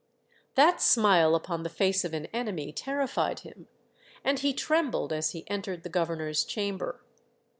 That smile upon the face of an enemy terrified him, and he trembled as he entered the governor's chamber.